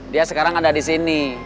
dia sekarang ada di sini